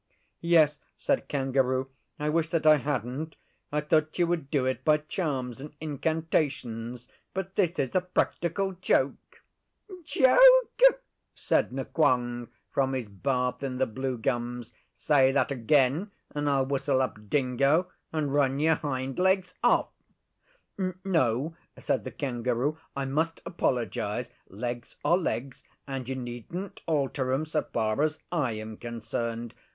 'Yes,' said Kangaroo. 'I wish that I hadn't. I thought you would do it by charms and incantations, but this is a practical joke.' 'Joke!' said Nqong from his bath in the blue gums. 'Say that again and I'll whistle up Dingo and run your hind legs off.' 'No,' said the Kangaroo. 'I must apologise. Legs are legs, and you needn't alter 'em so far as I am concerned.